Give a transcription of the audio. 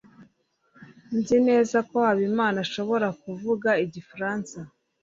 nzi neza ko habimana ashobora kuvuga igifaransa